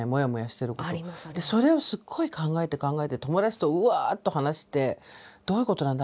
それをすっごい考えて考えて友達とウワッと話して「どういうことなんだ？